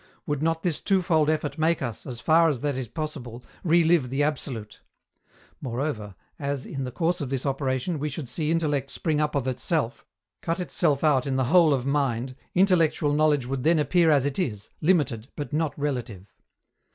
Would not this twofold effort make us, as far as that is possible, re live the absolute? Moreover, as, in the course of this operation, we should see intellect spring up of itself, cut itself out in the whole of mind, intellectual knowledge would then appear as it is, limited, but not relative.